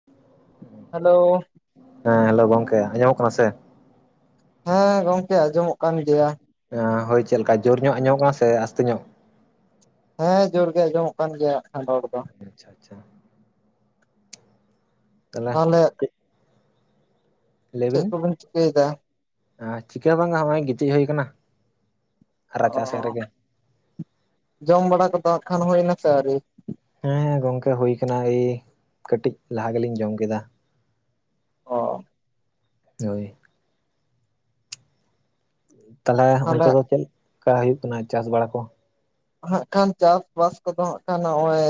[inaudible] Hello ᱦᱮᱸ hello ᱜᱚᱝᱠᱮ ᱟᱸᱡᱚᱢᱚᱜ ᱠᱟᱱᱟ ᱥᱮ ᱦᱮᱸ ᱜᱚᱝᱠᱮ ᱟᱸᱡᱚᱢᱚᱜ ᱠᱟᱱ ᱜᱮᱭᱟ ᱟᱸ ᱦᱚᱭ ᱪᱮᱫ ᱞᱮᱠᱟ ᱡᱳᱨ ᱧᱳᱜ ᱟᱸᱡᱳᱢᱚᱜ ᱠᱟᱱᱟ ᱥᱮ ᱟᱥᱛᱮ ᱧᱚᱜ ᱦᱮᱸ ᱡᱳᱨ ᱜᱮ ᱟᱸᱡᱚᱢᱚᱜ ᱠᱟᱱ ᱜᱮᱭᱟ ᱟᱠᱷᱟᱱ ᱨᱚᱲ ᱫᱚ ᱟᱪᱪᱷᱟ ᱟᱪᱪᱷᱟ ᱛᱟᱦᱚᱞᱮ ᱪᱮᱫ ᱠᱚ ᱵᱤᱱ ᱪᱤᱠᱟᱹᱭ ᱮᱫᱟ ᱟᱸ ᱪᱤᱠᱟ. ᱦᱚᱸ ᱵᱟᱝ-ᱟ ᱦᱚᱸᱜᱼᱚᱭ ᱜᱤᱛᱤᱡ ᱦᱩᱭ ᱟᱠᱟᱱᱟ ᱚᱻ... ᱡᱚᱢ ᱵᱟᱲᱟ ᱠᱚᱫᱚ ᱟᱠᱷᱟᱱ ᱦᱩᱭ ᱮᱱᱟ ᱥᱮ ᱟᱹᱣᱨᱤ ᱦᱮᱸ ᱜᱚᱝᱠᱮ ᱦᱩᱭ ᱟᱠᱟᱱᱟ ᱜᱤ ᱠᱟᱹᱴᱤᱡ ᱞᱟᱦᱟ ᱜᱮᱞᱤᱧ ᱡᱚᱢ ᱠᱮᱫᱟ ᱚ ᱦᱚᱭ ᱛᱟᱦᱚᱞᱮ ᱚᱱᱛᱮ ᱫᱚ ᱪᱮᱫ ᱞᱮᱠᱟ ᱦᱩᱭᱩᱜ ᱠᱟᱱᱟ ᱪᱟᱥ ᱵᱟᱲᱟ ᱠᱚ ᱦᱟᱸᱜ ᱠᱷᱟᱱ ᱪᱟᱥ-ᱵᱟᱥ ᱠᱚᱫᱚ ᱦᱟᱸᱜ ᱠᱷᱟᱱ ᱱᱚᱜᱼᱚᱭ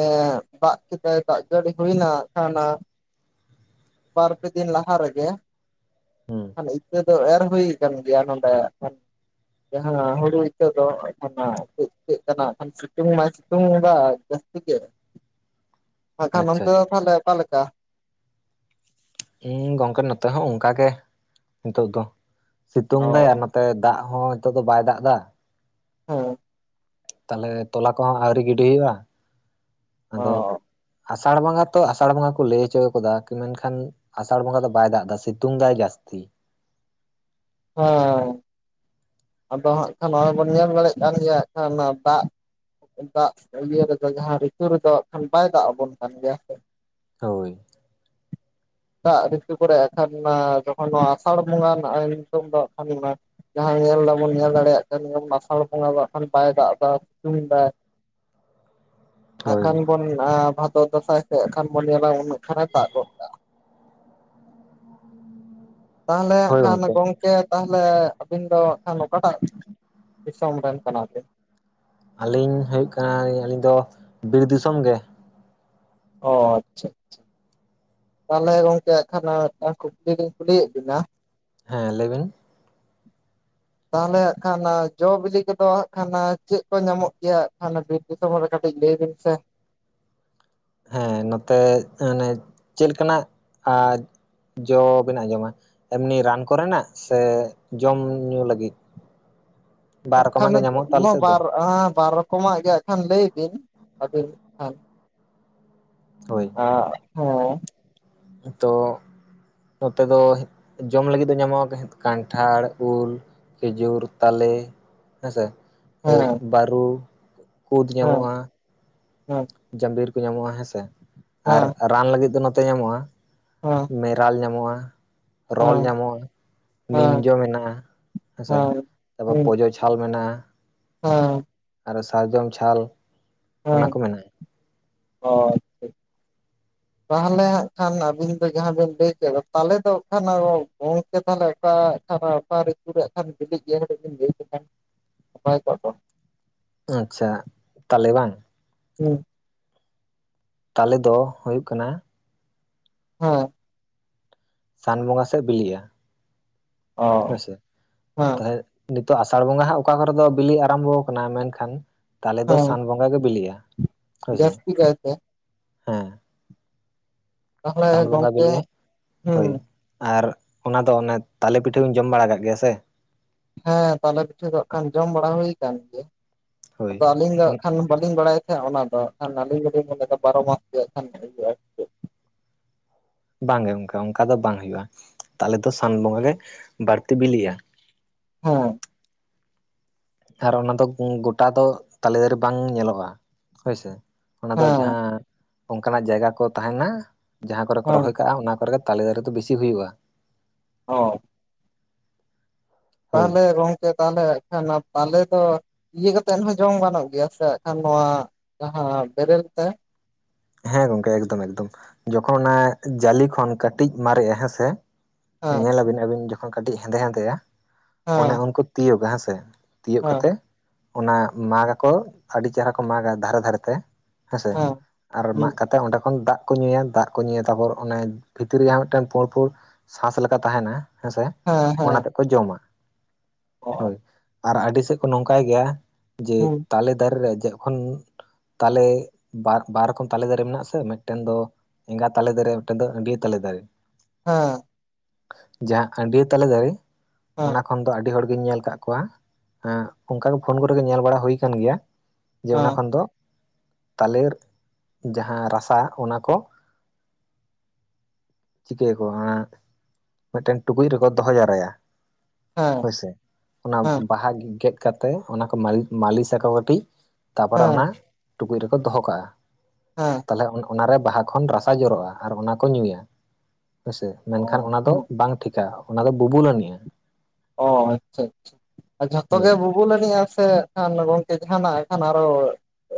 ᱫᱟᱜ ᱠᱮᱫᱟᱭ ᱫᱟᱜ ᱡᱟᱹᱲᱤ ᱦᱩᱭ ᱮᱱᱟ ᱟᱠᱷᱟᱱ..... ᱵᱟᱨ ᱯᱮ ᱫᱤᱱ ᱞᱟᱦᱟ ᱨᱮ ᱜᱮ ᱦᱩᱸ [unintelligible] ᱤᱛᱟᱹ ᱫᱚ ᱮᱨ ᱦᱩᱭ ᱟᱠᱟᱱ ᱜᱮᱭᱟ ᱱᱚᱸᱰᱮ ᱟᱠᱷᱟᱱ ᱡᱟᱦᱟᱸ ᱦᱩᱲᱩ ᱤᱛᱟᱹ ᱫᱚ ᱚᱱᱟ ᱪᱮᱫ ᱪᱤᱠᱟ. ᱜ ᱠᱟᱱᱟ ᱟᱠᱷᱟᱱ ᱥᱤᱛᱩᱝ ᱢᱟᱭ ᱥᱤᱛᱩᱝ ᱮᱫᱟ ᱡᱟᱥᱛᱤ ᱜᱮ [inaudible] ᱟᱠᱷᱟᱱ ᱟᱪᱪᱷᱟ ᱚᱱᱛᱮ ᱫᱚ ᱟᱪᱪᱷᱟ ᱛᱟᱦᱮᱞᱮ ᱚᱠᱟ ᱞᱮᱠᱟ ᱦᱩᱸ ᱜᱚᱝᱠᱮ ᱱᱚᱛᱮ ᱦᱚᱸ ᱚᱱᱠᱟ ᱜᱮ ᱱᱤᱛᱚᱜ ᱫᱚ ᱥᱤᱛᱩᱝ ᱚ ᱫᱟᱭ ᱱᱚᱛᱮ ᱫᱟᱜ ᱦᱚᱸ ᱱᱤᱛᱚᱜ ᱫᱚ ᱵᱟᱭ ᱫᱟᱜ ᱮᱫᱟ ᱦᱩᱸ ᱛᱟᱦᱚᱞᱮ ᱛᱚᱞᱟ ᱠᱚᱦᱚᱸ ᱟᱹᱣᱨᱤ ᱜᱤᱰᱤ ᱦᱩᱭᱩᱜᱼᱟ ᱟᱫᱚ ᱚ ᱟᱥᱟᱲ ᱵᱚᱸᱜᱟ ᱛᱚ ᱟᱥᱟᱲ ᱵᱚᱸᱜᱟ ᱠᱚ ᱞᱟᱹᱭ ᱦᱚᱪᱚ ᱟᱠᱟᱫᱟ ᱢᱮᱱᱠᱷᱟᱱ ᱟᱥᱟᱲ ᱵᱚᱸᱜᱟ ᱫᱚ ᱵᱟᱭ ᱫᱟᱜ ᱮᱫᱟ ᱥᱤᱛᱩᱝ ᱮᱫᱟᱭ ᱡᱟᱹᱥᱛᱤ ᱦᱚᱭ ᱟᱫᱚ ᱦᱟᱸᱜ ᱠᱷᱟᱱ ᱱᱚᱜᱼᱚᱭ ᱵᱚᱱ ᱧᱮᱞ ᱫᱟᱲᱮᱭᱟᱜ ᱠᱟᱱ ᱜᱮᱭᱟ ᱦᱟᱸᱜ ᱟᱠᱷᱟᱱ ᱫᱟᱜ ᱫᱟᱜ ᱤᱭᱟᱹ ᱨᱮ ᱫᱚ ᱡᱟᱦᱟ ᱨᱤᱛᱩ ᱨᱮᱫᱚ ᱦᱟᱸᱜ ᱠᱷᱟᱱ ᱵᱟᱭ ᱫᱟᱜ ᱟᱵᱚᱱ ᱠᱟᱱ ᱜᱮᱭᱟ ᱥᱮ ᱦᱚᱭ ᱫᱟᱜ ᱨᱤᱛᱩ ᱠᱚᱨᱮᱜ ᱟᱠᱷᱟᱱ ᱢᱟ ᱡᱚᱠᱷᱚᱱ ᱱᱚᱣᱟ ᱟᱥᱟᱲ ᱵᱚᱸᱜᱟ ᱨᱮᱱᱟᱜ ᱧᱩᱛᱩᱢ ᱫᱚ ᱟᱠᱷᱟᱱ ᱚᱱᱟ ᱡᱟᱦᱟᱸ ᱧᱮᱞ ᱮᱫᱟ ᱵᱚᱱ ᱧᱮᱞ ᱫᱟᱲᱮᱭᱟᱜ ᱠᱟᱱ ᱜᱮᱭᱟᱵᱚᱱ ᱟᱥᱟᱲ ᱵᱚᱸᱜᱟ ᱫᱟᱜ ᱠᱷᱟᱱ ᱵᱟᱭ ᱫᱟᱜ ᱮᱫᱟ ᱥᱤᱛᱩᱝ ᱮᱫᱟᱭ [inaudible] ᱦᱟᱸᱜ ᱠᱷᱟᱱ ᱵᱚᱱ ᱟᱸ ᱵᱷᱟᱫᱚᱨ ᱫᱟᱸᱥᱟᱭ ᱥᱮ ᱦᱟᱸᱜ ᱠᱷᱟᱱ ᱵᱚᱱ ᱧᱮᱞᱟ ᱩᱱᱟᱜ ᱦᱟᱸᱜ ᱠᱷᱟᱱᱮ ᱫᱟᱜ ᱜᱚᱫ ᱠᱟᱜᱼᱟ ᱛᱟᱦᱞᱮ ᱦᱟᱸᱜ ᱠᱷᱟᱱ ᱜᱚᱝᱠᱮ ᱛᱟᱦᱚᱞᱮ ᱟᱹᱵᱤᱱ ᱫᱚ ᱦᱟᱸᱜ ᱠᱷᱟᱱ ᱚᱠᱟᱴᱟᱜ ᱫᱤᱥᱚᱢ ᱨᱮᱱ ᱠᱟᱱᱟᱵᱤᱱ? ᱟᱹᱞᱤᱧ ᱦᱩᱭᱩᱜ ᱠᱟᱱᱟ ᱟᱹᱞᱤᱧ ᱫᱚ ᱵᱤᱨ ᱫᱤᱥᱚᱢ ᱜᱮ᱾ ᱚ ᱟᱪᱪᱷᱟ ᱟᱪᱪᱷᱟ᱾ ᱛᱟᱦᱚᱞᱮ ᱜᱚᱝᱠᱮ ᱟᱸᱜ ᱠᱷᱟᱱ ᱢᱤᱫᱴᱟᱝ ᱠᱩᱠᱞᱤ ᱞᱤᱧ ᱠᱩᱞᱤᱭᱮᱜ ᱵᱤᱱᱟ? ᱦᱮᱸ ᱞᱟᱹᱭᱵᱤᱱ ᱛᱟᱦᱚᱞᱮ ᱦᱟᱸᱜ ᱠᱷᱟᱱ ᱡᱚ ᱵᱤᱞᱤ ᱠᱚᱫᱚ ᱦᱟᱸᱜ ᱠᱷᱟᱱ ᱪᱮᱜ ᱠᱚ ᱧᱟᱢᱚᱜ ᱜᱮᱭᱟ ᱦᱟᱸᱜ ᱠᱷᱟᱱ ᱫᱤᱥᱚᱢ ᱨᱮ ᱠᱟᱴᱤᱡ ᱞᱟᱹᱭ ᱵᱤᱱ ᱥᱮ? ᱦᱮᱸ ᱱᱚᱛᱮ ᱢᱟᱱᱮ ᱪᱮᱫ ᱞᱮᱠᱟᱱᱟᱜᱼᱼ ᱡᱚ ᱵᱮᱱ ᱟᱸᱡᱚᱢᱟ ᱮᱢᱱᱤ ᱨᱟᱱ ᱠᱚᱨᱮᱱᱟᱜ ᱥᱮ ᱡᱚᱢ ᱧᱩ ᱞᱟᱹᱜᱤᱫ? [unintelligible] ᱦᱟᱸᱜ ᱠᱷᱟᱱ ᱜᱮ ᱧᱟᱢᱚᱜ ᱛᱚ ᱟᱞᱮ ᱱᱚᱣᱟ ᱥᱮᱫ ᱫᱚ ᱵᱟᱨ ᱟᱻ ᱵᱟᱨ ᱨᱚᱠᱚᱢᱟᱜ ᱜᱮ ᱦᱟᱸᱜ ᱠᱷᱟᱱ ᱞᱟᱹᱭ ᱵᱤᱱ ᱟᱹᱵᱤᱱ ᱦᱮᱸ ᱦᱳᱭ ᱟᱸᱜ ᱦᱮᱸ ᱛᱚ ᱱᱚᱛᱮ ᱫᱚ ᱡᱚᱢ ᱞᱟᱹᱜᱤᱫ ᱫᱚ ᱧᱟᱢᱚᱜ ᱠᱟᱱᱴᱷᱟᱲ ᱩᱞᱼᱼ ᱠᱷᱮᱡᱩᱨ ᱛᱟᱞᱮ ᱦᱮᱸᱥᱮ ᱵᱟᱨᱩ ᱠᱩᱫᱽ ᱧᱟᱢᱚᱜᱼᱟ᱾ ᱦᱳᱭ ᱡᱟᱸᱵᱤᱨ ᱠᱚ ᱧᱟᱢᱚᱜᱼᱟ ᱦᱮᱸᱥᱮ ᱟᱨ ᱨᱟᱱ ᱞᱟᱜᱤᱫ ᱫᱚ ᱱᱚᱛᱮ ᱧᱟᱢᱚᱜᱼᱟᱼᱼ ᱦᱚᱭ ᱢᱮᱨᱟᱞ ᱧᱟᱢᱚᱜᱼᱟ᱾ ᱨᱚᱞ ᱧᱟᱢᱚᱜᱼᱟ ᱱᱤᱢ ᱡᱚ ᱢᱮᱱᱟᱜᱼᱟ ᱦᱮᱸᱥᱮ ᱛᱟᱯᱚᱨ ᱯᱚᱡᱚᱼᱼ ᱪᱷᱟᱞ ᱢᱮᱱᱟᱜᱼᱟ᱾ ᱦᱮᱻᱻ ᱟᱨ ᱥᱟᱨᱡᱚᱢ ᱪᱷᱟᱞ᱾ ᱚᱱᱟ ᱦᱳᱭ ᱠᱚ ᱢᱮᱱᱟᱜᱼᱟ ᱦᱚᱭ ᱛᱟᱦᱚᱞᱮ ᱦᱟᱸᱜ ᱠᱷᱟᱱ ᱟᱹᱵᱤᱱ ᱫᱚ ᱡᱟᱦᱟᱸ ᱵᱤᱱ ᱞᱟᱹᱭ ᱠᱮᱫ ᱫᱚ ᱛᱟᱞᱮ ᱫᱚ ᱟᱸᱜ ᱠᱷᱟᱱ ᱟᱨᱚ ᱜᱚᱝᱠᱮ ᱛᱟᱦᱞᱮ ᱚᱠᱟ ᱠᱷᱟᱱᱼᱼ ᱚᱠᱟ ᱨᱤᱛᱩ ᱨᱮ ᱟᱸᱜ ᱠᱷᱟᱱ ᱠᱟᱹᱴᱤᱡ ᱡᱮ ᱠᱟᱴᱤᱡ ᱵᱮᱱ ᱞᱟᱹᱭ ᱠᱮᱠᱷᱟᱱ ᱱᱟᱯᱟᱭ ᱠᱚᱜ ᱫᱚ ᱟᱪᱪᱷᱟ ᱛᱟᱞᱮ ᱵᱟᱝ? ᱦᱩᱸ ᱛᱟᱞᱮ ᱫᱚ ᱦᱩᱭᱩᱜ ᱠᱟᱱᱟᱼᱼ ᱦᱮ ᱥᱟᱱ ᱵᱚᱸᱜᱟ ᱥᱮᱜ ᱵᱤᱞᱤᱜᱼᱟ᱾ ᱚ ᱦᱳᱭᱥᱮ ᱦᱮᱸ ᱛᱟᱦ ᱱᱤᱛᱚᱜ ᱟᱥᱟᱲ ᱵᱚᱸᱜᱟ ᱦᱚᱸ ᱚᱠᱟ ᱠᱚᱨᱮ ᱫᱚ ᱵᱤᱞᱤ ᱟᱨᱟᱢᱵᱚ ᱠᱟᱱᱟ ᱢᱮᱱᱠᱷᱟᱱᱼᱼ ᱛᱟᱞᱮ ᱫᱚ ᱦᱮᱸ ᱥᱟᱱ ᱵᱚᱸᱜᱟ ᱜᱮ ᱵᱤᱞᱤᱜᱼᱟ᱾ ᱦᱳᱭᱥᱮ ᱡᱟᱹᱥᱛᱤ ᱠᱟᱭᱛᱮ᱾ ᱦᱮᱸ ᱛᱟᱦᱚᱞᱮ ᱥᱟᱱ ᱵᱚᱸᱜᱟ ᱜᱚᱝᱠᱮ ᱵᱤᱞᱤᱜᱟ ᱦᱩᱸ ᱦᱳᱭ᱾ ᱟᱨ ᱚᱱᱟ ᱫᱚ ᱚᱱᱮ ᱛᱟᱞᱮ ᱯᱤᱴᱷᱟᱹ ᱵᱤᱱ ᱡᱚᱢ ᱵᱟᱲᱟ ᱠᱟᱜ ᱜᱮᱭᱟ ᱥᱮᱼᱼ ᱦᱮᱸ ᱛᱟᱞᱮ ᱯᱤᱴᱷᱟᱹ ᱫᱚ ᱟᱸᱜ ᱠᱷᱟᱱ ᱡᱚᱢ ᱵᱟᱲᱟ ᱦᱩᱭ ᱠᱟᱱ ᱜᱮᱭᱟ ᱦᱳᱭ ᱟᱫᱚ ᱟᱹᱞᱤᱧ ᱟᱜᱼᱼ ᱠᱷᱟᱱ ᱵᱟᱹᱞᱤᱧ ᱵᱟᱲᱟᱭ ᱛᱟᱦᱮᱜᱼᱟ ᱚᱱᱟ ᱫᱚ ᱟᱸᱜ ᱠᱷᱟᱱ ᱟᱹᱞᱤᱧ ᱫᱚᱞᱤᱧ ᱢᱮᱱᱮᱫᱟ ᱵᱟᱨᱚ ᱢᱟᱥ ᱜᱮ ᱟᱸᱜ ᱠᱷᱟᱱ ᱤᱭᱟᱹᱜᱼᱟ᱾ ᱵᱟᱝᱜᱮ ᱜᱚᱝᱠᱮ ᱚᱱᱠᱟ ᱫᱚ ᱵᱟᱝ ᱦᱩᱭᱩᱜᱼᱟ ᱛᱟᱞᱮ ᱫᱚ ᱥᱟᱱ ᱵᱚᱸᱜᱟ ᱜᱮ ᱵᱟᱲᱛᱤ ᱵᱤᱞᱤᱜ-ᱟ᱾ ᱦᱮᱸ ᱟᱨ ᱚᱱᱟ ᱫᱚ ᱜᱚᱴᱟ ᱫᱚ ᱛᱟᱞᱮ ᱫᱟᱨᱮ ᱵᱟᱝ ᱧᱮᱞᱚᱜᱼᱟ ᱦᱳᱭᱥᱮ ᱚᱱᱟ ᱫᱚ ᱦᱮᱸ ᱡᱟᱦᱟᱸ ᱚᱱᱠᱟᱱᱟᱜ ᱡᱟᱭᱜᱟ ᱠᱚ ᱛᱟᱦᱮᱱᱟ ᱡᱟᱦᱟᱸ ᱠᱚᱨᱮ ᱠᱚ ᱦᱮᱸ ᱨᱚᱦᱚᱭ ᱠᱟᱜᱼᱟ ᱚᱱᱟ ᱠᱚᱨᱮ ᱜᱮᱼᱼ ᱛᱟᱞᱮ ᱫᱟᱨᱮ ᱫᱚ ᱵᱤᱥᱤ ᱦᱩᱭᱩᱜᱼᱟ᱾ ᱚ [inaudible] ᱦᱳᱭ ᱛᱟᱦᱚᱞᱮ ᱜᱚᱝᱠᱮ ᱛᱟᱦᱚᱞᱮ ᱮᱠᱷᱟᱱ ᱛᱟᱞᱮ ᱫᱚᱼᱼ ᱤᱭᱟᱹ ᱠᱟᱛᱮᱫ ᱦᱚᱸ ᱡᱚᱢ ᱜᱟᱱᱚᱜ ᱜᱮᱭᱟ ᱥᱮ ᱠᱷᱟᱱ ᱱᱚᱣᱟ ᱡᱟᱦᱟᱸ ᱵᱮᱨᱮᱞ ᱛᱮ? ᱦᱮᱸ ᱜᱚᱝᱠᱮ ᱮᱠᱫᱚᱢ ᱮᱠᱫᱚᱢ ᱡᱚᱠᱷᱚᱱ ᱚᱱᱟ ᱡᱟᱞᱮ ᱠᱷᱚᱱ ᱠᱟᱹᱴᱤᱡ ᱢᱟᱨᱮᱜ-ᱟ ᱦᱮᱸᱥᱮ ᱦᱮᱸ ᱧᱮᱞᱟᱵᱤᱱ ᱟᱹᱵᱤᱱ ᱡᱚᱠᱷᱚᱱ ᱠᱟᱹᱴᱤᱡ ᱦᱮᱸᱫᱮ ᱦᱮᱸᱫᱮ ᱟ ᱚᱱᱮ ᱦᱮᱸ ᱩᱱᱠᱩ ᱛᱤᱭᱳᱜᱟ ᱦᱮᱸᱥᱮ, ᱛᱤᱭᱳᱜ ᱦᱮᱸ ᱠᱟᱛᱮ ᱚᱱᱟ ᱢᱟᱜᱽ ᱜᱟᱠᱚ ᱟᱹᱰᱤ ᱪᱮᱦᱨᱟ ᱠᱚ ᱢᱟᱜᱽ ᱟ ᱫᱷᱟᱨᱮ ᱫᱷᱟᱨᱮ ᱛᱮ ᱦᱮᱥ ᱦᱮᱸ ᱟᱨ ᱦᱩᱸ ᱢᱟᱜ ᱠᱟᱛᱮᱫ ᱚᱸᱰᱮ ᱠᱷᱚᱱ ᱫᱟᱜ ᱠᱚ ᱧᱩᱭᱟ ᱫᱟᱜ ᱠᱚ ᱧᱩᱭᱟ ᱛᱟᱯᱚᱨ ᱚᱱᱮ ᱵᱷᱤᱛᱤᱨ ᱨᱮ ᱡᱟᱦᱟ ᱢᱤᱫᱴᱟᱱ ᱯᱩᱲ ᱯᱩᱲ ᱥᱟᱥ ᱞᱮᱠᱟ ᱛᱟᱦᱮᱱᱟ ᱦᱮᱸᱥᱮ ᱦᱮᱸ ᱦᱮᱸ ᱚᱱᱟ ᱛᱮᱫ ᱠᱚ ᱡᱚᱢᱟ ᱚ ᱦᱳᱭ ᱟᱨ ᱟᱹᱰᱤ ᱥᱮᱫ ᱠᱚ ᱱᱚᱝᱠᱟᱭ ᱜᱮᱭᱟ ᱡᱮ ᱦᱩᱸ ᱛᱟᱞᱮ ᱫᱟᱨᱮ ᱨᱮ ᱡᱚᱠᱷᱚᱱ ᱛᱟᱞᱮ ᱵᱟᱛ ᱵᱟᱨ ᱨᱚᱠᱚᱢ ᱛᱟᱞᱮ ᱫᱟᱨᱮ ᱢᱮᱱᱟᱜ-ᱟ ᱥᱮ ᱢᱮᱫᱴᱮᱱ ᱫᱚ ᱮᱸᱜᱟ ᱛᱟᱞᱮ ᱫᱟᱨᱮ, ᱢᱮᱫᱴᱮᱱ ᱫᱚ ᱟᱺᱰᱭᱟᱹ ᱛᱟᱞᱮ ᱫᱟᱨᱮ᱾ ᱦᱮᱸ ᱡᱟᱦᱟᱸ ᱟᱺᱰᱭᱟᱹ ᱛᱟᱞᱮ ᱫᱟᱨᱮ ᱦᱮᱸ ᱚᱱᱟ ᱠᱷᱚᱱ ᱫᱚ ᱟᱹᱰᱤ ᱦᱚᱲᱜᱤᱧ ᱧᱮᱞ ᱠᱟᱫ ᱠᱚᱣᱟ ᱚᱱᱠᱟᱜᱮ ᱯᱷᱳᱱ ᱠᱚᱨᱮ ᱜᱮ ᱧᱮᱞ ᱵᱟᱲᱟ ᱦᱩᱭ ᱠᱟᱱ ᱜᱮᱭᱟ, ᱡᱮ ᱚᱱᱟ ᱦᱮᱸ ᱠᱷᱚᱱ ᱫᱚ ᱛᱟᱞᱮᱨ ᱡᱟᱦᱟᱸ ᱨᱟᱥᱟ ᱚᱱᱟᱠᱚ ᱪᱤᱠᱟᱹᱭᱟᱠᱚ ᱚᱱᱟ ᱢᱮᱫᱴᱮᱱ ᱴᱩᱠᱩᱡ ᱨᱮᱠᱚ ᱫᱚᱦᱚ ᱡᱟᱣᱨᱟᱭᱟ, ᱦᱮᱸ ᱦᱳᱭ ᱥᱮ ᱚᱱᱟ ᱦᱮᱸ ᱵᱟᱦᱟ ᱜᱮᱫ ᱠᱟᱛᱮ ᱚᱱᱟ ᱠᱚ ᱢᱟᱞᱤ ᱢᱟᱞᱤᱥᱟᱠᱚ ᱠᱟᱴᱤᱡ ᱛᱟᱯᱚᱨᱮ ᱦᱮᱸ ᱚᱱᱟ ᱴᱩᱠᱩᱡ ᱨᱮᱠᱚ ᱫᱚᱦᱚ ᱠᱟᱜ-ᱟ᱾ ᱦᱮᱸ ᱛᱟᱞᱦᱮ ᱟᱱ ᱚᱱᱟᱨᱮ ᱵᱟᱦᱟ ᱠᱷᱚᱱ ᱨᱟᱥᱟ ᱡᱚᱨᱚᱜ-ᱟ ᱟᱨ ᱚᱱᱟ ᱠᱚ ᱧᱩᱭᱟ ᱦᱮᱸᱥᱮ, ᱢᱮᱱᱠᱷᱟᱱ ᱚ ᱚᱱᱟ ᱫᱚ ᱦᱮᱸ ᱵᱟᱝ ᱴᱷᱤᱠᱟ ᱚᱱᱟ ᱫᱚ ᱵᱩᱵᱩᱞ‌‌ ᱟᱹᱱᱤᱡ-ᱟ᱾ ᱚ ᱟᱪᱪᱷᱟ ᱟᱪᱪᱷᱟ ᱡᱷᱚᱛᱚ ᱦᱳᱭ ᱜᱮ ᱵᱩ ᱵᱩᱞ ᱟᱱᱤᱡ ᱟ ᱥᱮ ᱮᱠᱷᱟᱱ ᱜᱚᱝᱠᱮ ᱡᱟᱦᱟᱱᱟᱜ ᱮᱱᱠᱷᱟᱱ ᱟᱨᱚ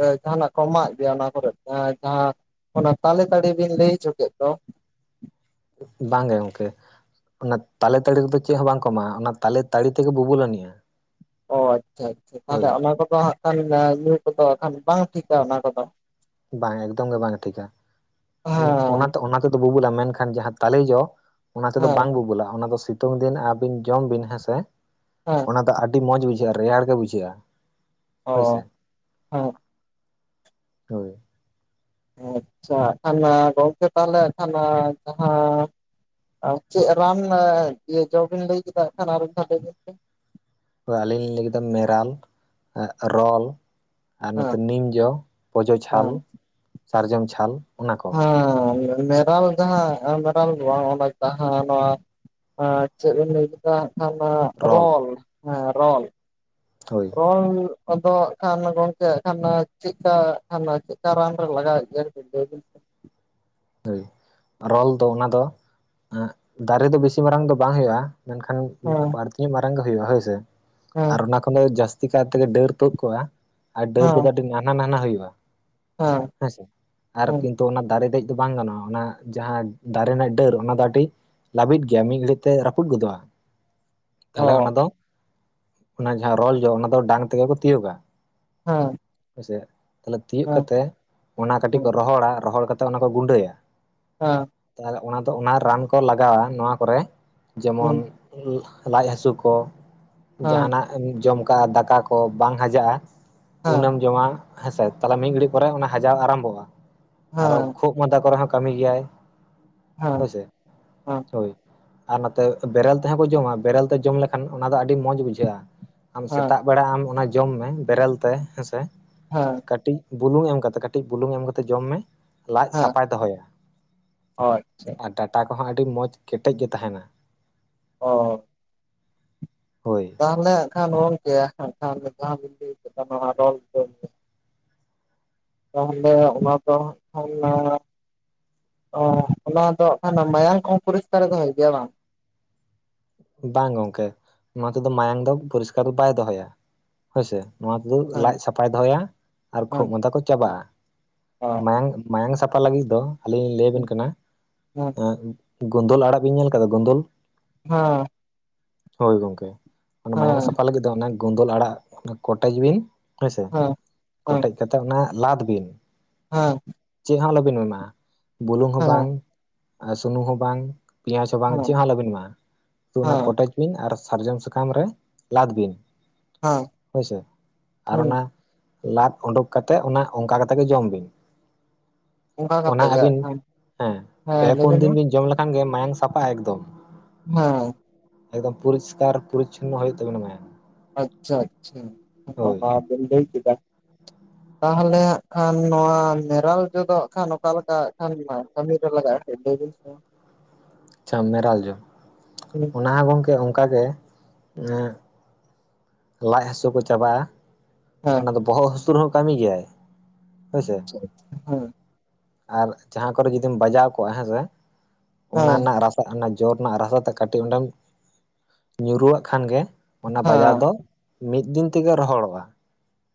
ᱮ ᱡᱟᱦᱟᱸᱱᱟᱜ ᱠᱚ ᱢᱟᱜ ᱜᱮᱭᱟ ᱚᱱᱟ ᱠᱚᱨᱮᱜ ᱡᱟᱦᱟᱸ ᱚᱱᱟ ᱛᱟᱞᱮ ᱛᱟᱹᱲᱤ ᱵᱤᱱ ᱞᱟᱹᱭ ᱚᱪᱚ ᱠᱮᱫ ᱫᱚ ᱵᱟᱝ ᱜᱮ ᱜᱚᱝᱠᱮ ᱚᱱᱟ ᱛᱟᱞᱮ ᱛᱟᱹᱲᱤ ᱨᱮᱫᱚ ᱪᱮᱫ ᱦᱚᱸ ᱵᱟᱝ ᱠᱚ ᱮᱢᱟᱜ-ᱟ ᱚᱱᱟ ᱛᱟᱞᱮ ᱛᱟᱹᱲᱤ ᱛᱮᱜᱮ ᱵᱩᱵᱩᱜᱩᱞ ᱟᱹᱱᱤᱡᱜ-ᱟ᱾ ᱚ ᱟᱪᱪᱷᱟ ᱟᱪᱪᱷᱟ ᱛᱟᱦᱞᱮ ᱚᱱᱟ ᱠᱚᱫᱚ ᱦᱟᱜ ᱠᱷᱟᱱ ᱟ ᱧᱩ ᱠᱚᱫᱚ ᱠᱷᱟᱱ ᱵᱟᱝ ᱴᱷᱤᱠᱟ ᱚᱱᱟ ᱠᱚᱫᱚ᱾ ᱵᱟᱝ ᱮᱠᱫᱚᱢ ᱜᱮ ᱵᱟᱝ ᱴᱷᱤᱠᱟ ᱦᱮᱸ ᱚᱱᱟᱛᱮ ᱚᱱᱟ ᱛᱮᱫᱚ ᱵᱩᱵᱩᱞᱟ ᱢᱮᱱᱠᱷᱟᱱ ᱡᱟᱦᱟᱸ ᱛᱟᱞᱮ ᱡᱚ ᱚᱱᱟ ᱛᱮᱫᱚ ᱦᱮᱸ ᱵᱟᱝ ᱵᱩᱵᱩᱞᱟ ᱚᱱᱟ ᱫᱚ ᱥᱤ ᱛᱩᱝ ᱫᱤᱱ ᱟᱵᱤᱱ ᱡᱚᱢ ᱵᱤᱱ ᱦᱮᱸᱥᱮ ᱦᱮᱸ ᱚᱱᱟ ᱫᱚ ᱟᱰᱤ ᱢᱚᱡᱽ ᱵᱩᱡᱷᱟᱹᱜ-ᱟ ᱨᱮᱭᱟᱲ ᱜᱮ ᱵᱩᱡᱷᱟᱹᱜ-ᱟ᱾ ᱚ ᱦᱮᱸ ᱦᱳᱭ ᱟᱪᱪᱷᱟ ᱠᱷᱟᱱ ᱟ ᱜᱚᱝᱠᱮ ᱛᱟᱦᱚᱞᱮ ᱠᱷᱟᱱ ᱟ ᱡᱟᱦᱟᱸ ᱟᱨ ᱪᱮᱜ ᱨᱟᱱ ᱤᱭᱟᱹ ᱡᱚ ᱵᱤᱱ ᱞᱟᱹᱭ ᱠᱮᱫᱟ ᱟᱜ ᱠᱷᱟᱱ ᱟᱨ ᱢᱤᱫ ᱫᱷᱟᱣ ᱞᱟᱹᱭ ᱵᱤᱱ ᱥᱮ ᱟᱹᱞᱤᱧ ᱞᱤᱧ ᱞᱮᱭ ᱠᱮᱫᱟ ᱢᱮᱨᱟᱞ ᱟᱜ ᱨᱚᱞ ᱟᱨ ᱱᱚᱛᱮ ᱦᱮᱸ ᱱᱤᱢ ᱡᱚ, ᱯᱚᱡᱚ ᱪᱷᱟᱞ, ᱦᱮᱸ ᱥᱟᱨᱡᱚᱢ ᱪᱷᱟᱞ, ᱚᱱᱟ ᱠᱚ ᱦᱩ ᱢᱮᱨᱟᱞ ᱡᱟᱦᱟᱸ ᱢᱮᱨᱟᱞ ᱫᱚ ᱵᱟᱝ ᱚᱱᱟ ᱡᱟᱦᱟᱸ ᱱᱚᱣᱟ ᱪᱮᱫ ᱵᱤᱱ ᱞᱟᱹᱭ ᱠᱮᱫᱟ? ᱱᱟᱜ ᱠᱷᱟᱱ ᱟ ᱨᱚᱞ ᱦᱮ ᱨᱚᱞ ᱦᱳᱭ ᱞ ᱠᱚᱫᱚ ᱟᱜ ᱠᱷᱟᱱ ᱜᱚᱝᱠᱮ ᱠᱷᱟᱱ ᱪᱮᱜᱠᱟ ᱠᱷᱟᱱ ᱪᱮᱜᱠᱟ ᱨᱟᱱ ᱨᱮ ᱞᱟᱜᱟᱜ ᱜᱮᱭᱟ? ᱞᱟᱹᱭ ᱵᱤᱱ ᱥᱮ ᱦᱳᱭ ᱨᱚᱞ ᱫᱚ ᱚᱱᱟ ᱫᱚ ᱫᱟᱨᱮ ᱫᱚ ᱵᱤᱥᱤ ᱢᱟᱨᱟᱝ ᱫᱚ ᱵᱟᱝ ᱦᱩᱭᱩᱜ-ᱟ ᱢᱮᱱᱠᱷᱟᱱ ᱦᱮᱸ ᱯᱟᱨ ᱛᱤ ᱢᱟᱨᱟᱝ ᱜᱮ ᱦᱩᱭᱩᱜ-ᱟ ᱦᱳᱭ ᱥᱮ, ᱦᱮᱸ ᱚᱱᱟ ᱠᱷᱚᱱ ᱫᱚ ᱡᱟᱹᱥᱛᱤ ᱠᱟᱭ ᱛᱮ ᱰᱟᱹᱨ ᱛᱩᱫ ᱠᱚᱜ-ᱟ ᱟᱨ ᱰᱟᱹᱨ ᱠᱚᱫᱚ ᱦᱮᱸ ᱟᱹᱰᱤ ᱱᱟᱱᱦᱟ ᱱᱟᱱᱦᱟ ᱦᱩᱭᱩᱜ-ᱟ᱾ ᱦᱮᱸ ᱦᱮᱸᱥᱮ ᱟᱨ ᱦᱮᱸ ᱠᱤᱱᱛᱩ ᱚᱱᱟ ᱫᱟᱨᱮ ᱫᱮᱡ ᱵᱟᱝ ᱜᱟᱱᱚᱜ-ᱟ ᱚᱱᱟ ᱡᱟᱦᱟᱸ ᱫᱟᱨᱮ ᱱᱟᱜ ᱰᱟᱹᱨ ᱚᱱᱟ ᱫᱚ ᱟᱰᱤ ᱞᱟᱵᱤᱫ ᱜᱮᱭᱟ ᱢᱤᱫ ᱜᱷᱟᱹᱲᱤᱡ ᱛᱮ ᱨᱟᱹᱯᱩᱫ ᱜᱚᱫᱚᱜ-ᱟ᱾ ᱛᱟᱦᱞᱮ ᱚᱱᱟ ᱚ ᱫᱚ ᱚᱱᱟ ᱡᱟᱦᱟᱸ ᱨᱚᱞ ᱡᱚ ᱚᱱᱟ ᱫᱚ ᱰᱟᱝ ᱛᱮᱜᱮ ᱠᱚ ᱛᱤᱭᱳᱜᱟ᱾ ᱦᱩᱸ ᱦᱮᱥᱮ ᱛᱟᱦᱚᱞᱮ ᱛᱤᱭᱳᱜ ᱠᱟᱛᱮᱜ ᱚᱱᱟ ᱠᱟᱹᱴᱤᱡ ᱦᱮᱸ ᱦᱮᱸ ᱠᱚ ᱨᱚᱦᱚᱲᱟ ᱨᱚᱦᱚᱲ ᱠᱟᱛᱮ ᱚᱱᱟ ᱠᱚ ᱜᱩᱸᱰᱟᱹᱭᱟ᱾ ᱦᱮᱸ ᱛᱟᱦᱚᱞᱮ ᱚᱱᱟ ᱫᱚ ᱚᱱᱟ ᱨᱟᱱ ᱠᱚ ᱞᱟᱜᱟᱣᱟ ᱱᱚᱣᱟ ᱠᱚᱨᱮ ᱦᱮᱸ ᱦᱮᱸ ᱡᱮᱢᱚᱱ ᱦᱮᱸ ᱞᱟᱡ ᱦᱟᱹᱥᱩ ᱠᱚ ᱦᱮᱸ ᱡᱟᱦᱟᱱᱟᱜ ᱡᱚᱢ ᱠᱟᱜᱼᱟ ᱫᱟᱠᱟ ᱠᱚ ᱵᱟᱝ ᱦᱟᱡᱟᱜᱼᱟ ᱦᱮᱸ ᱩᱱᱹ ᱮᱢ ᱡᱚᱢᱟ ᱦᱮᱸᱥᱮ ᱛᱟᱦᱚᱞᱮ ᱢᱤᱫ ᱜᱷᱟᱹᱲᱤᱡ ᱯᱚᱨᱮ ᱚᱱᱟ ᱦᱟᱡᱟᱣ ᱟᱨᱟᱢᱵᱷᱚᱜᱼᱟ ᱟᱨᱚ ᱦᱮᱸ ᱠᱷᱩᱜ ᱢᱟᱱᱫᱟ ᱠᱚᱨᱮ ᱦᱚᱸ ᱠᱟᱹᱢᱤ ᱜᱮᱭᱟᱭ᱾ ᱦᱮᱸ ᱦᱳᱭ ᱥᱮ ᱦᱳᱭ᱾ ᱟᱨ ᱱᱚᱛᱮ ᱵᱮᱨᱮᱞ ᱛᱮᱦᱚᱸ ᱠᱚ ᱡᱚᱢᱟ ᱵᱮᱨᱮᱞ ᱛᱮ ᱡᱚᱢ ᱞᱮᱠᱷᱟᱱ ᱚᱱᱟ ᱫᱚ ᱟᱹᱰᱤ ᱢᱚᱸᱡᱽ ᱵᱩᱡᱷᱟᱹᱜᱼᱟ᱾ ᱟᱢ ᱥᱮᱛᱟᱜ ᱵᱮᱲᱟ ᱟᱢ ᱚᱱᱟ ᱡᱚᱢ ᱢᱮ ᱵᱮᱨᱮᱞ ᱛᱮ ᱦᱮᱸᱥᱮ ᱦᱮᱸ ᱠᱟᱹᱴᱤᱡ ᱵᱩᱞᱩᱝ ᱮᱢ ᱠᱟᱛᱮ ᱠᱟᱹᱴᱤᱡ ᱵᱩᱞᱩᱝ ᱮᱢ ᱠᱟᱛᱮ ᱡᱚᱢ ᱢᱮ ᱞᱟᱡ ᱥᱟᱯᱟᱭ ᱫᱚᱦᱚᱭᱟ ᱟᱪᱪᱷᱟ ᱟᱨ ᱰᱟᱴᱟ ᱠᱚᱦᱚᱸ ᱟᱹᱰᱤ ᱢᱚᱸᱡᱽ ᱠᱮᱴᱮᱡ ᱜᱮ ᱛᱟᱦᱮᱱᱟ᱾ ᱚ ᱦᱳᱭ᱾ ᱛᱟᱦᱚᱞᱮ ᱦᱟᱸᱜ ᱠᱷᱟᱱ ᱚᱞ ᱜᱮᱭᱟ ᱦᱟᱸᱜ ᱠᱷᱟᱱ ᱡᱟᱦᱟᱸ ᱵᱤᱱ ᱞᱟᱹᱭ ᱠᱮᱫ ᱠᱟᱱᱟ ᱨᱚᱞ ᱛᱟᱦᱚᱞᱮ ᱚᱱᱟ ᱫᱚ ᱚᱞᱱᱟ᱾ ᱚ ᱚᱱᱟ ᱫᱚ ᱠᱷᱟᱱ ᱢᱟᱭᱟᱝ ᱠᱚᱦᱚᱸ ᱯᱚᱨᱤᱥᱠᱟᱨ ᱫᱚᱦᱚᱭ ᱜᱮᱭᱟ ᱵᱟᱝ ᱵᱟᱝ ᱜᱚᱝᱠᱮ ᱱᱚᱣᱟ ᱛᱮᱫᱚ ᱢᱟᱭᱟᱝ ᱫᱚ ᱯᱚᱨᱤᱥᱠᱟᱨ ᱫᱚ ᱵᱟᱭ ᱫᱚᱦᱚᱭᱟ ᱦᱳᱭᱥᱮ ᱱᱚᱣᱟ ᱛᱮᱫᱚ ᱦᱮᱸ ᱞᱟᱡ ᱥᱟᱯᱷᱟᱭ ᱫᱚᱦᱚᱭᱟ ᱟᱨ ᱠᱷᱩᱜ ᱢᱟᱸᱫᱟ ᱠᱚ ᱪᱟᱵᱟᱜᱼᱟ᱾ ᱚ ᱢᱟᱭᱟᱝ ᱥᱟᱯᱷᱟ ᱞᱟᱹᱜᱤᱫ ᱫᱚ ᱟᱹᱞᱤᱧ ᱞᱤᱧ ᱞᱟᱹᱭᱟᱵᱤᱱ ᱠᱟᱱᱟ ᱦᱮᱸ ᱮᱸ ᱜᱳᱱᱫᱚᱞ ᱟᱲᱟᱜ ᱵᱤᱱ ᱧᱮᱞ ᱟᱠᱟᱫᱟ ᱜᱳᱱᱫᱚᱞ ᱦᱮᱸ ᱦᱳᱭ ᱜᱚᱝᱠᱮ ᱚᱱᱟ ᱢᱟᱭᱟᱝ ᱦᱮᱸ ᱥᱟᱯᱷᱟ ᱞᱟᱹᱜᱤᱫ ᱫᱚ ᱚᱱᱟ ᱜᱳᱱᱫᱚᱞ ᱟᱲᱟᱜ ᱠᱚᱴᱮᱡ ᱵᱤᱱ ᱦᱮᱸᱥᱮ ᱦᱮᱸ ᱦᱮᱸ ᱠᱚᱴᱮᱡ ᱠᱟᱛᱮ ᱚᱱᱟ ᱞᱟᱫ ᱵᱤᱱ ᱦᱮᱸ ᱪᱮᱫ ᱦᱚᱸ ᱟᱞᱚᱵᱮᱱ ᱮᱢᱟ ᱵᱩᱞᱩᱝ ᱦᱚᱸ ᱵᱟᱝ ᱟᱨ ᱥᱩᱱᱩᱢ ᱦᱚᱸ ᱵᱟᱝ ᱯᱮᱸᱭᱟᱡᱽ ᱦᱚᱸ ᱵᱟᱝ ᱦᱮᱸ ᱪᱮᱫ ᱦᱚᱸ ᱟᱞᱚᱵᱤᱱ ᱮᱢᱟ᱾ ᱠᱤᱱᱛᱩ ᱚᱱᱟ ᱦᱮᱸ ᱠᱚᱴᱮᱡ ᱵᱤᱱ ᱟᱨ ᱥᱟᱨᱡᱚᱢ ᱥᱟᱠᱟᱢ ᱨᱮ ᱞᱟᱫ ᱵᱤᱱ ᱦᱮᱸ ᱦᱳᱭ ᱥᱮ ᱟᱨ ᱦᱩᱸ ᱚᱱᱟ ᱞᱟᱫ ᱩᱰᱩᱠ ᱠᱟᱛᱮᱫ ᱚᱱᱟ ᱚᱱᱠᱟ ᱠᱟᱛᱮ ᱜᱮ ᱡᱚᱢ ᱵᱤᱱ ᱚᱱᱠᱟ ᱚᱱᱟ ᱠᱟᱛᱮ ᱜᱮ ᱟᱹᱵᱤᱱ ᱦᱮᱸ ᱦᱮᱸ ᱯᱮ ᱦᱮᱸ ᱞᱟᱹᱭ ᱯᱩᱱ ᱵᱮᱱ ᱫᱤᱱ ᱵᱤᱱ ᱡᱚᱢ ᱞᱮᱠᱷᱟᱱ ᱜᱮ ᱢᱟᱭᱟᱝ ᱥᱟᱯᱷᱟᱜᱼᱟ ᱮᱠᱫᱚᱢ ᱦᱩᱸ ᱮᱠᱫᱚᱢ ᱯᱚᱨᱤᱥᱠᱟᱨ ᱯᱚᱨᱤᱪᱷᱚᱱᱚ ᱦᱩᱭᱩᱜ ᱛᱟᱵᱮᱱᱟ ᱢᱟᱭᱟᱢ ᱟᱪᱪᱷᱟ ᱟᱪᱪᱷᱟ ᱟᱯᱟ ᱵᱟᱦᱟ ᱵᱮᱱ ᱞᱟᱹᱭ᱾ [inaudible] ᱛᱟᱦᱚᱞᱮ ᱦᱟᱸᱜ ᱠᱷᱟᱱ ᱱᱚᱣᱟ ᱢᱮᱨᱟᱞ ᱡᱚᱫᱚ ᱦᱟᱸᱜ ᱠᱷᱟᱱ ᱚᱠᱟᱞᱮᱠᱟᱜ ᱠᱷᱟᱱ ᱠᱟᱹᱢᱤ ᱨᱮ ᱞᱟᱜᱟᱼᱟ ᱞᱟᱹᱭ ᱵᱮᱱ [unintelligible] ᱟᱪᱪᱷᱟ ᱢᱮᱨᱟᱞ ᱡᱚ ᱦᱮᱸ ᱚᱱᱟ ᱦᱚᱸ ᱜᱚᱢᱠᱮ ᱚᱱᱠᱟᱜ ᱜᱮ ᱮᱸ ᱞᱟᱡ ᱦᱟᱹᱥᱩ ᱠᱚ ᱪᱟᱵᱟᱜᱼᱟ ᱦᱮᱸ ᱚᱱᱟ ᱫᱚ ᱵᱚᱦᱚᱜ ᱦᱟᱹᱥᱩ ᱞᱩᱛᱩᱨ ᱨᱮᱦᱚᱸ ᱠᱟᱹᱢᱤ ᱜᱮᱭᱟᱭ ᱦᱳᱭ ᱥᱮ ᱦᱮᱸ ᱟᱨ ᱡᱟᱦᱟᱸ ᱠᱚᱨᱮ ᱡᱩᱫᱤᱢ ᱵᱟᱡᱟᱣ ᱠᱚᱜᱼᱟ ᱦᱮᱸᱥᱮ ᱚᱱᱟ ᱦᱮᱸ ᱨᱮᱱᱟᱜ ᱨᱟᱥ ᱚᱱᱟ ᱡᱚ ᱨᱮᱱᱟᱜ ᱨᱟᱥᱟ ᱛᱮ ᱠᱟᱹᱴᱤᱡ ᱚᱸᱰᱮᱢ ᱧᱩᱨᱩᱣᱟᱜ ᱠᱷᱟᱱ ᱜᱮ ᱚᱱᱟ ᱵᱟᱡᱟᱣ ᱦᱮᱸ ᱫᱚ ᱢᱤᱫ ᱫᱤᱱ ᱛᱮᱜᱮ ᱨᱚᱦᱚᱲᱚᱜᱼᱟ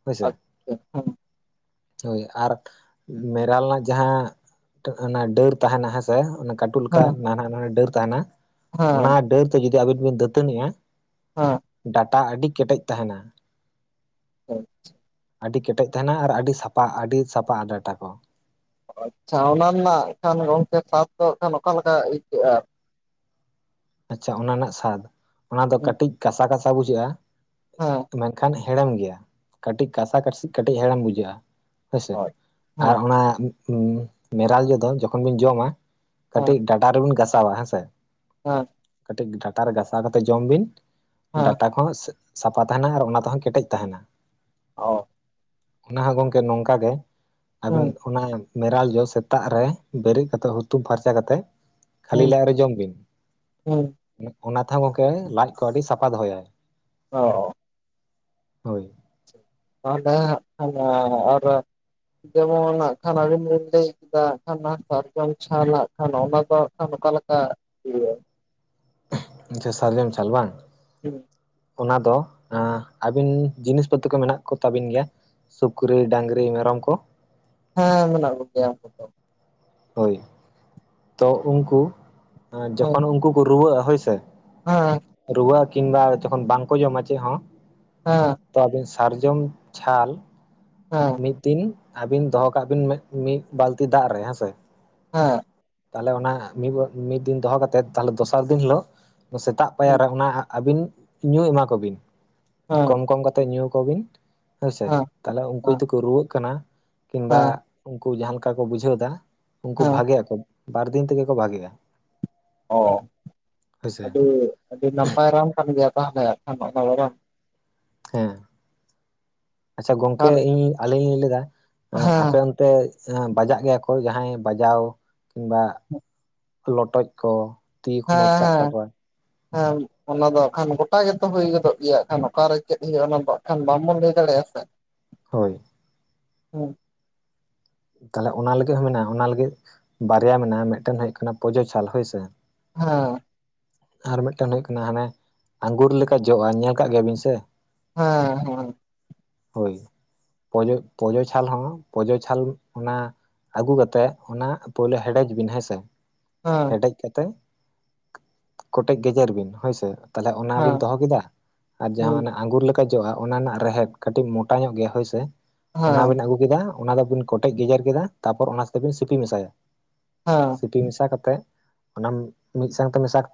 ᱦᱳᱭ ᱥᱮ ᱟᱪᱪᱷᱟ ᱦᱮᱸ ᱦᱳᱭ ᱟᱨ ᱢᱮᱨᱟᱞ ᱨᱮᱱᱟᱜ ᱡᱟᱦᱟᱸ ᱚᱱᱟ ᱰᱟᱹᱨ ᱛᱟᱦᱮᱱᱟ ᱦᱮᱸᱥᱮ ᱚᱱᱟ ᱠᱟᱹᱴᱤᱡ ᱠᱟᱴᱩᱜ ᱞᱮᱠᱟ ᱦᱮᱸ ᱱᱟᱦᱟᱸ ᱱᱟᱦᱟᱸ ᱰᱟᱹᱨ ᱛᱟᱦᱮᱱᱟ ᱚᱱᱟ ᱦᱮᱸ ᱰᱟᱹᱨ ᱛᱮ ᱡᱩᱫᱤ ᱟᱹᱵᱤᱱ ᱵᱤᱱ ᱫᱟᱹᱛᱟᱹᱱᱤᱜᱼᱟ ᱦᱮᱸ ᱰᱟᱴᱟ ᱟᱹᱰᱤ ᱠᱮᱴᱮᱡ ᱛᱟᱦᱮᱱᱟ᱾ ᱟᱪᱪᱷᱟ ᱟᱹᱰᱤ ᱠᱮᱴᱮᱡ ᱛᱟᱦᱮᱱᱟ ᱟᱨ ᱟᱹᱰᱤ ᱥᱟᱯᱷᱟ ᱟᱹᱰᱤ ᱥᱟᱯᱟᱜᱼᱟ ᱰᱟᱴᱟ ᱠᱚ ᱟᱪᱪᱷᱟ ᱚᱱᱟ ᱨᱮᱱᱟᱜ ᱠᱷᱟᱱ ᱜᱚᱢᱠᱮ ᱥᱟᱫ ᱫᱚ ᱠᱷᱟᱱ ᱚᱠᱟ ᱞᱮᱠᱟ ᱟᱹᱭᱠᱟᱹᱜᱼᱟ᱾ ᱟᱪᱪᱷᱟ ᱚᱱᱟ ᱨᱮᱱᱟᱜ ᱥᱟᱫ ᱚᱱᱟ ᱫᱚ ᱠᱟᱹᱴᱤᱡ ᱠᱟᱥᱟᱼᱠᱟᱥᱟ ᱦᱮᱸ ᱵᱩᱡᱷᱟᱹᱜᱼᱟ ᱢᱮᱱᱠᱷᱟᱱ ᱦᱮᱲᱮᱢ ᱜᱮᱭᱟ ᱠᱟᱹᱴᱤᱡ ᱠᱟᱥᱟᱼᱠᱟᱥᱤ ᱠᱟᱹᱴᱤᱡ ᱦᱮᱲᱮᱢ ᱵᱩᱡᱷᱟᱹᱜᱼᱟ ᱦᱳᱭ ᱥᱮ ᱟᱨ ᱚᱱᱟ ᱢᱮᱨᱟᱞ ᱡᱚ ᱫᱚ ᱡᱚᱠᱷᱚᱱ ᱵᱤᱱ ᱡᱚᱢᱟ ᱦᱮᱸ ᱠᱟᱹᱴᱤᱡ ᱰᱟ ᱴᱟ ᱨᱮᱵᱮᱱ‌ ᱜᱷᱟᱥᱟᱣᱟ ᱦᱮᱸ ᱥᱮ ᱦᱮᱸ᱾ ᱠᱟᱹᱴᱤᱡ ᱰᱟᱴᱟ ᱨᱮ ᱜᱷᱟᱥᱟᱣ ᱠᱟᱛᱮᱫ ᱡᱚᱢ ᱵᱤᱱ ᱦᱮᱸ ᱰᱟᱴᱟ ᱠᱚᱸᱦᱚ ᱥᱟᱯᱷᱟ ᱛᱟᱦᱮᱱᱟ ᱟᱨ ᱚᱱᱟ ᱛᱮᱦᱚᱸ ᱠᱮᱴᱮᱡ ᱛᱟᱦᱮᱱᱟ᱾ ᱚ ᱚᱱᱟ ᱦᱚᱸ ᱜᱚᱢᱠᱮ ᱱᱚᱝᱠᱟ ᱜᱮ ᱟᱹᱵᱤᱱ ᱦᱮᱸ ᱚᱱᱟ ᱢᱮᱨᱟᱞ ᱡᱚ ᱥᱮᱛᱟᱜ ᱨᱮ ᱵᱮᱨᱮᱫ ᱠᱟᱛᱮᱫ ᱦᱩᱛᱩ ᱯᱷᱟᱨᱪᱟ ᱠᱟᱛᱮᱫ ᱠᱷᱟᱹᱞᱤ ᱞᱟᱡ ᱨᱮ ᱡᱚᱢ ᱵᱤᱱ ᱦᱩᱸ᱾ ᱚᱱᱟ ᱛᱮᱦᱚ ᱜᱚᱢᱠᱮ ᱞᱟᱡ ᱠᱚ ᱟᱹᱰᱤ ᱥᱟᱯᱷᱟ ᱫᱚᱦᱚᱭᱟᱭ ᱚ᱾ ᱦᱳᱭ᱾ ᱱᱚᱸᱰᱮᱜ ᱠᱷᱟᱱ ᱟᱨ ᱡᱮᱢᱚᱱᱟᱜ ᱠᱷᱟᱱ ᱟᱹᱵᱤᱱ ᱵᱤᱱ ᱞᱟᱹᱭ ᱠᱮᱫᱟ ᱠᱷᱟᱱ ᱦᱟᱸᱜ ᱥᱟᱨᱡᱚᱢ ᱪᱷᱟᱞᱟᱜ ᱠᱷᱟᱱ ᱚᱱᱟ ᱫᱚ ᱠᱷᱟᱱ ᱚᱠᱟ ᱞᱮᱠᱟ ᱦᱩᱭᱩᱜᱼᱟ᱾ ᱟᱪᱪᱷᱟ ᱥᱟᱨᱡᱚᱢ ᱪᱷᱟᱞ ᱵᱟᱝ ᱦᱮᱸ᱾ ᱚᱱᱟ ᱫᱚ ᱟᱸ ᱟᱹᱵᱤᱱ ᱡᱤᱱᱤᱥ ᱯᱚᱛᱤ ᱠᱚ ᱢᱮᱱᱟᱜ ᱠᱚ ᱛᱟᱹᱵᱤᱱ ᱜᱮᱭᱟ᱾ ᱥᱩ‌‌ᱠᱨᱤ ᱰᱟᱹᱝᱨᱤ ᱢᱮᱨᱚᱢ ᱠᱚ ᱦᱮᱸ ᱢᱮᱱᱟᱜ ᱠᱚ ᱜᱮᱭᱟ ᱩᱱᱠᱩ ᱫᱚ ᱦᱳᱭ ᱛᱚ ᱩᱱᱠᱩ ᱦᱮᱸ ᱡᱚᱠᱷᱚᱱ ᱩᱱᱠᱩ ᱠᱚ ᱨᱩᱣᱟᱹᱜᱼᱟ ᱦᱳᱭ ᱥᱮ ᱦᱮᱸ᱾ ᱨᱩᱣᱟᱹᱜᱼᱟ ᱠᱤᱝᱵᱟ ᱡᱚᱠᱷᱚᱱ ᱵᱟᱝᱠᱚ ᱡᱚᱢᱟ ᱪᱮᱫ ᱦᱚᱸ ᱦᱮᱸ᱾ ᱛᱚ ᱟᱹᱵᱤᱱ ᱥᱟᱨᱡᱚᱢ ᱪᱷᱟᱞ ᱦᱮᱸ ᱦᱮᱸ ᱢᱤᱫ ᱫᱤᱱ ᱟᱹᱵᱤᱱ ᱫᱚᱦᱚ ᱠᱟᱜ ᱵᱤᱱ ᱢᱤᱫ ᱵᱟᱹᱞᱛᱤ ᱫᱟᱜ ᱨᱮ ᱦᱮᱸᱥᱮ ᱦᱮᱸ᱾ ᱛᱟᱦᱚᱞᱮ ᱚᱱᱟ ᱢᱤᱫ ᱢᱤᱫ ᱫᱤᱱ ᱫᱚᱦᱚ ᱠᱟᱛᱮᱜ ᱛᱟᱦᱚᱞᱮ ᱫᱚᱥᱟᱨ ᱫᱤᱱ ᱦᱤᱞᱚᱜ ᱥᱮᱛᱟᱜ ᱯᱟᱭᱟᱨ ᱨᱮ ᱚᱱᱟ ᱟᱹᱵᱤᱱ ᱧᱩ ᱮᱢᱟ ᱠᱚᱵᱤᱱ ᱦᱮᱸ ᱠᱚᱢ ᱦᱮᱸ ᱠᱚᱢ ᱠᱟᱛᱮᱜ ᱧᱩ ᱟᱠᱚ ᱵᱤᱱ ᱦᱮᱸᱥᱮ ᱛᱟᱦᱚᱞᱮ ᱩᱱᱠᱩ ᱡᱚᱫᱤ ᱠᱚ ᱨᱩᱣᱟᱹᱜ ᱠᱟᱱᱟ ᱠᱤᱢᱵᱟ ᱦᱮᱸ ᱩᱱᱠᱩ ᱡᱟᱦᱟᱸ ᱞᱮᱠᱟ ᱠᱚ ᱵᱩᱡᱷᱟᱹᱣ ᱮᱫᱟ ᱩᱱᱠᱩ ᱦᱮᱸ ᱵᱷᱟᱜᱮ ᱟᱠᱚ ᱵᱟᱨ ᱫᱤᱱ ᱛᱮᱜᱮ ᱠᱚ ᱵᱷᱟᱜᱮᱜᱼᱟ᱾ ᱚᱸ ᱦᱳᱭᱥᱮ ᱟᱹᱰᱤᱼᱟᱹᱰᱤ ᱱᱟᱯᱟᱭ ᱨᱟᱱ ᱠᱟᱱ ᱜᱮᱭᱟ ᱛᱟᱦᱚᱞᱮ ᱚᱱᱟ ᱨᱟᱱ ᱦᱮᱸ ᱟᱪᱪᱷᱟ ᱜᱚᱢᱠᱮ ᱟᱨ ᱤᱧ ᱟᱹᱞᱤᱧ ᱞᱤᱧ ᱞᱟᱹᱭ ᱫᱟ ᱟᱸ ᱟᱯᱮ ᱦᱮᱸ ᱚᱱᱛᱮ ᱛᱮ ᱟᱸ ᱵᱟᱡᱟᱜ ᱜᱮᱭᱟ ᱠᱚ ᱡᱟᱦᱟᱸᱭ ᱵᱟᱡᱟᱣ ᱠᱤᱢᱵᱟ ᱞᱚᱴᱚᱡ ᱠᱚ ᱛᱤ ᱠᱚ ᱢᱚᱪ ᱠᱟᱜ ᱦᱮᱸᱻᱦᱮᱸᱻ ᱛᱟᱠᱚᱣᱟ ᱦᱮᱸ ᱚᱱᱟ ᱫᱚ ᱠᱷᱟᱱ ᱜᱚᱴᱟ ᱜᱮᱛᱚ ᱦᱩᱭ ᱜᱚᱫᱚᱜ ᱜᱮᱭᱟ ᱠᱷᱟᱱ ᱚᱠᱟᱨᱮ ᱪᱮᱫ ᱦᱩᱭᱩᱜᱼᱟ ᱚᱱᱟ ᱫᱚ ᱠᱷᱟᱱ ᱵᱟᱝ ᱵᱚᱱ ᱞᱟᱹᱭ ᱫᱟᱲᱮᱭᱟᱜᱼᱟ ᱥᱮ ᱦᱳᱭ᱾ ᱦᱮᱸ᱾ ᱛᱟᱦᱚᱞᱮ ᱚᱱᱟ ᱞᱟᱹᱜᱤᱫ ᱦᱚᱸ ᱢᱮᱱᱟᱜᱼᱟ ᱚᱱᱟ ᱞᱟᱹᱜᱤᱫ ᱵᱟᱨᱭᱟ ᱢᱮᱱᱟᱜᱼᱟ ᱢᱤᱫᱴᱮᱱ ᱦᱩᱭᱩᱜ ᱠᱟᱱᱟ ᱯᱚᱡᱚ ᱪᱷᱟᱞ ᱦᱳᱭ ᱥᱮ ᱦᱮᱸᱻ ᱟᱨ ᱢᱤᱫᱴᱟᱝ ᱦᱩᱭᱩᱜ ᱠᱟᱱᱟ ᱦᱟᱱᱮ ᱟᱸᱜᱩᱨ ᱞᱮᱠᱟ ᱡᱚᱜᱼᱟ ᱧᱮᱞ ᱠᱟᱜ ᱜᱮᱭᱟ ᱵᱤᱱ ᱥᱮ ᱦᱮᱸᱻᱦᱮᱸ᱾ ᱦᱳᱭ ᱯᱚᱡᱚ ᱯᱚᱡᱚ ᱪᱷᱟᱞ ᱦᱚᱸ ᱯᱚᱡᱚ ᱪᱷᱟᱞ ᱚᱱᱟ ᱟᱹᱜᱩ ᱠᱟᱛᱮᱜ ᱚᱱᱟ ᱯᱩᱭᱞᱳ ᱦᱮᱰᱮᱡ ᱵᱤᱱ ᱦᱮᱸᱥᱮ, ᱦᱮᱸ ᱦᱮᱰᱮᱡ ᱠᱟᱛᱮ ᱠᱚᱴᱮᱡ ᱜᱮᱡᱮᱨ ᱵᱤᱱ ᱦᱳᱭᱥᱮᱼᱼ ᱛᱟᱦᱚᱞᱮ ᱚᱱᱟᱵᱤᱱ ᱫᱚᱦᱚ ᱠᱮᱫᱟ ᱟᱨ ᱡᱟᱦᱟᱸ ᱦᱮᱸ ᱟᱜᱩᱨ ᱞᱮᱠᱟᱼᱼ ᱮᱡᱚᱜᱼᱟ ᱚᱱᱟ ᱨᱮᱱᱟᱜ ᱨᱮᱦᱮᱫ ᱠᱟᱹᱴᱤᱡ ᱢᱚᱴᱟ ᱧᱚᱜ ᱜᱮᱭᱟ ᱦᱳᱭᱥᱮ ᱚᱱᱟ ᱦᱮᱸ ᱵᱤᱱ ᱟᱹᱜᱩ ᱠᱮᱫᱟ ᱚᱱᱟ ᱫᱚᱵᱤᱱᱼᱼ ᱠᱚᱴᱮᱡ ᱜᱮᱡᱮᱨ ᱠᱮᱫᱟ ᱛᱟᱯᱚᱨ ᱚᱱᱟ ᱛᱮᱛᱮᱵᱤᱱ ᱥᱤᱯᱤ ᱢᱮᱥᱟᱭᱟ᱾ ᱦᱮᱸ ᱥᱤᱯᱤ ᱢᱮᱥᱟ ᱠᱟᱛᱮ ᱚᱱᱟᱢ ᱢᱤᱫ ᱥᱟᱶᱛᱮ ᱢᱮᱥᱟ ᱠᱟᱛᱮᱼᱼ